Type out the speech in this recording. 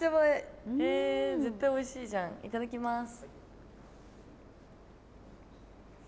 絶対おいしいじゃんいただきます！